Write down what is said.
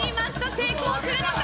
成功するのか。